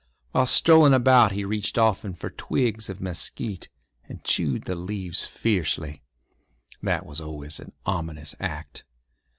While strolling about he reached often for twigs of mesquite and chewed the leaves fiercely. That was always an ominous act.